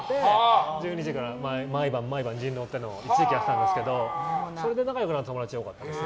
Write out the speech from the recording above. １２時から毎晩人狼っていうのを一時期やってたんですけどそれで仲良くなった友達も多かったです。